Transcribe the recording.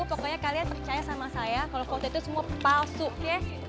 pokoknya kalian percaya sama saya kalau foto itu semua palsu ya